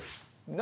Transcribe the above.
何？